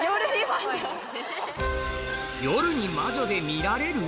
夜に魔女で見られる？